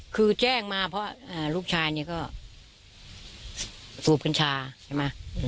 คือแจ้งมาเพราะลูกชายนี่ก็สูบกัญชาใช่ไหม